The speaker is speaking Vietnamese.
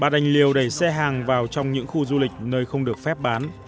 điều đẩy xe hàng vào trong những khu du lịch nơi không được phép bán